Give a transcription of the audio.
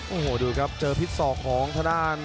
โอ้โหดูครับเจอพิษศอกของทางด้าน